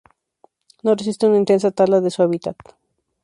No resiste una intensa tala de su hábitat.